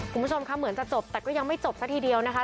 คุณผู้ชมค่ะเหมือนจะจบแต่ก็ยังไม่จบซะทีเดียวนะคะ